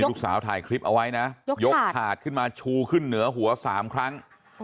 ลูกสาวถ่ายคลิปเอาไว้นะยกถาดขึ้นมาชูขึ้นเหนือหัว๓ครั้ง